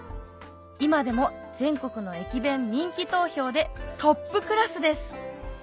今でも全国の駅弁人気投票でトップクラスです